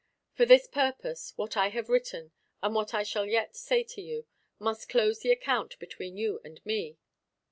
For this purpose, what I have written, and what I shall yet say to you, must close the account between you and me."